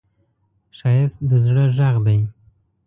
ښایست د زړه غږ دی